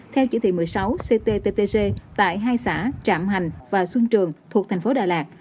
theo chỉ thị một mươi sáu cttg tại hai xã trạm hành và xuân trường thuộc thành phố đà lạt